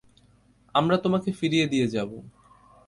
আমরা তোমাকে ফিরিয়ে দিয়ে যাবো।